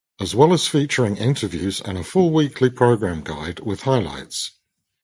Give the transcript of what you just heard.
As well as featuring interviews and a full weekly program guide with highlights.